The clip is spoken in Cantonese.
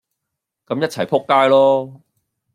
咁一齊仆街囉!